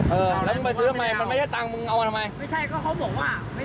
เออแล้วมึงไปซื้อทำไมมันไม่ได้ตังค์มึงเอามันทำไม